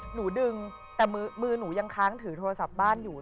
หนูดึงแต่มือหนูยังค้างถือโทรศัพท์บ้านอยู่